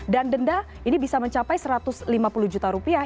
dan denda ini bisa mencapai satu ratus lima puluh juta rupiah